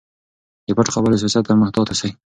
د پټو خبرو سیاست ته محتاط اوسئ.